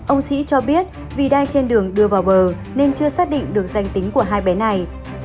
ông sĩ cho biết vì đang trên đường đưa vào bờ nên chưa xác định được danh tính của hai bé này